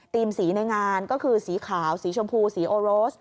สีในงานก็คือสีขาวสีชมพูสีโอโรส